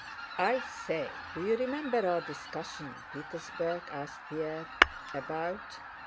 "I say, do you remember our discussion in Petersburg?" asked Pierre, "about..."